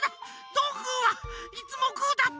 どんぐーはいつもグーだった！